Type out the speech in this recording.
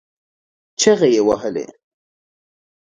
چغې يې ووهلې.